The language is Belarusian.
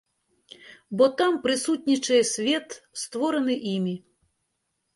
Бо там прысутнічае свет, створаны імі.